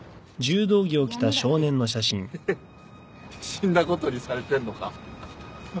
死んだことにされてんのか？